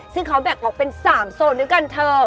ซึ่งเขาแบ่งออกเป็น๓โซนด้วยกันเธอ